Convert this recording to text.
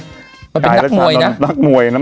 ดรมก๊ายรับชาวน้ำนักมวย